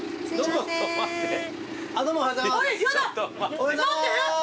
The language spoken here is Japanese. ・おはようございます！